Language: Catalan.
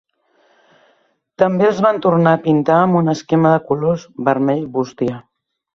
També els van tornar a pintar amb un esquema de colors vermell bústia.